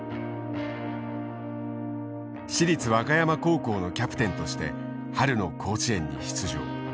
市立和歌山高校のキャプテンとして春の甲子園に出場。